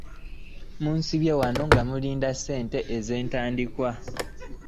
Musiibye wano nga mulinda ssente eze ntandikwa?